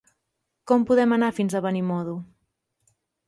Com podem anar fins a Benimodo?